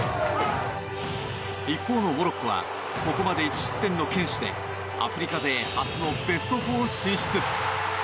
一方のモロッコはここまで１失点の堅守でアフリカ勢初のベスト４進出。